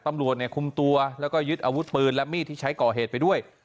ตำรวจเนี่ยคุมตัวแล้วก็ยึดอาวุธปืนและมีดที่ใช้ก่อเหตุไปด้วย